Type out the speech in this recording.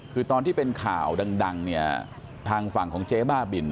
คือตอนที่เป็นข่าวดังเนี่ยทางฝั่งของเจ๊บ้าบิน